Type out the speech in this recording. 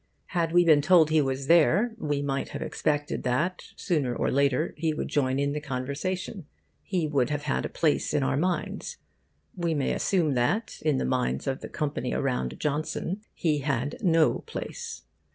Had we been told he was there, we might have expected that sooner or later he would join in the conversation. He would have had a place in our minds. We may assume that in the minds of the company around Johnson he had no place.